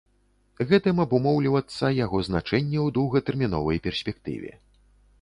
Гэтым абумоўлівацца яго значэнне ў доўгатэрміновай перспектыве.